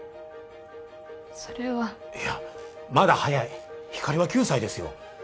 それはいやまだ早いひかりは９歳ですよ